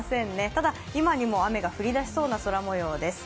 ただ、今にも雨が降りだしそうな空もようです。